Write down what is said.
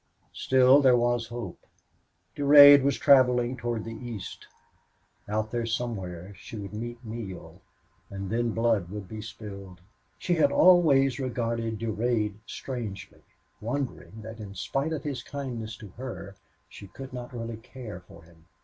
Still, there was hope. Durade was traveling toward the east. Out there somewhere he would meet Neale, and then blood would be spilled. She had always regarded Durade strangely, wondering that in spite of his kindness to her she could not really care for him.